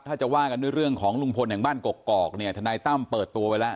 ถ้าจะว่ากันด้วยเรื่องของลุงพลแห่งบ้านกกอกเนี่ยทนายตั้มเปิดตัวไว้แล้ว